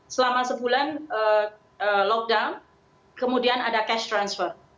selama sebulan lockdown kemudian ada cash transfer